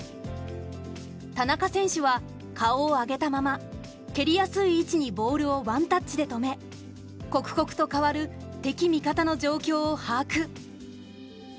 田中選手は顔を上げたまま蹴りやすい位置にボールをワンタッチで止め刻々と変わる敵味方の状況を把握。